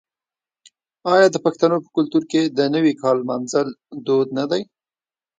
آیا د پښتنو په کلتور کې د نوي کال لمانځل دود نه دی؟